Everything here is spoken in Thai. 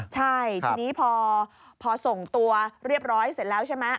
ใช่ทีนี้พอส่งตัวเรียบร้อยเสร็จแล้วใช่ไหม